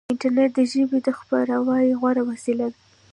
انټرنیټ د ژبې د خپراوي غوره وسیله ده.